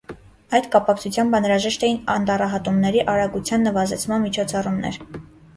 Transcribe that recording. Այդ կապակցությամբ անհրաժեշտ էին անտառահատումների արագության նվազեցման միջոցառումներ։